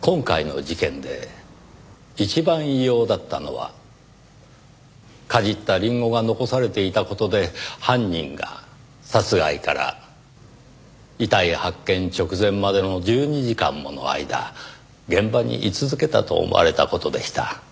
今回の事件で一番異様だったのはかじったりんごが残されていた事で犯人が殺害から遺体発見直前までの１２時間もの間現場に居続けたと思われた事でした。